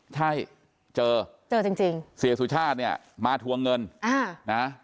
ใช่เจอเจอจริงเสียสุชาติเนี่ยมาทวงเงิน